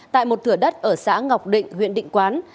tại một thửa đất ở xã ngọc định huyện định quán